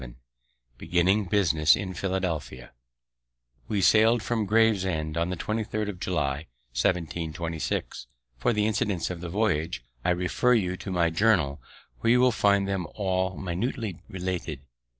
VII BEGINNING BUSINESS IN PHILADELPHIA We sail'd from Gravesend on the 23rd of July, 1726. For the incidents of the voyage, I refer you to my Journal, where you will find them all minutely related.